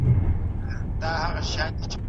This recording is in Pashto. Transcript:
ټولنيزې اسانتياوې د ټولو عامو خلګو لپاره برابرېدې.